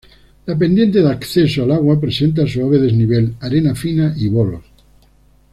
La pendiente de acceso al agua presenta suave desnivel, arena fina y bolos.